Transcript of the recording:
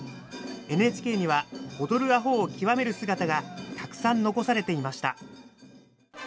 ＮＨＫには踊る阿呆を極める姿がたくさん残されていました。